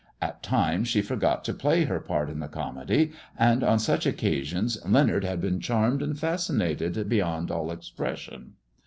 At times she forgot to play her part in the comedy, and on such occasions Leonard had been charmed and fascinated beyond all expression.